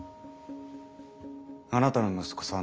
あなたの息子さん